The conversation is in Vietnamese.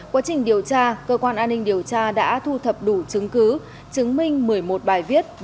quá trình điều tra cơ quan an ninh điều tra đã thu thập đủ chứng cứ chứng minh một mươi một bài viết